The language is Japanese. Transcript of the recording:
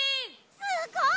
すごい！